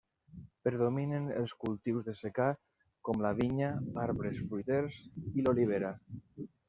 Predominen els cultius de secà com la vinya, arbres fruiters i l'olivera.